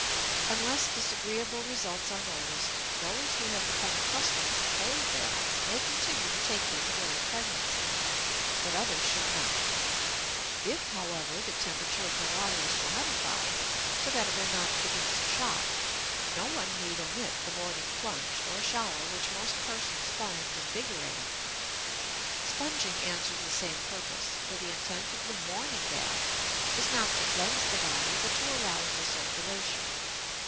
Unless disagreeable results are noticed, those who have become accustomed to cold baths may continue to take them during pregnancy, but others should not. If, however, the temperature of the water is modified so that it will not produce a shock, no one need omit the morning plunge or shower which most persons find invigorating. Sponging answers the same purpose, for the intent of the morning bath is not to cleanse the body but to arouse the circulation.